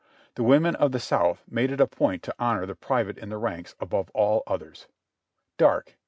The women of the South made it a point to honor the private in the ranks above all others. Dark